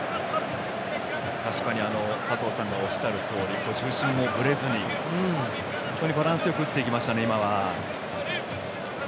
確かに佐藤さんがおっしゃるように重心がぶれずにバランスよく打っていきましたね。